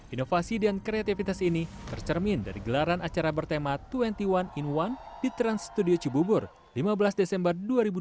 inovasi dan kreativitas ini tercermin dari gelaran acara bertema dua puluh satu in satu di trans studio cibubur lima belas desember dua ribu dua puluh